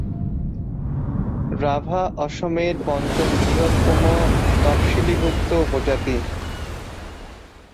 রাভা অসমের পঞ্চম বৃহত্তম তপশিলি ভুক্ত উপজাতি।